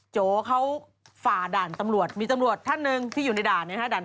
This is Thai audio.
โจเขาฝ่าด่านตำรวจมีตำรวจท่านหนึ่งที่อยู่ในด่านเนี่ยฮะ